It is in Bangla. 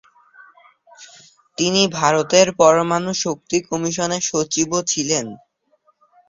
তিনি ভারতের পরমাণু শক্তি কমিশনের সচিবও ছিলেন।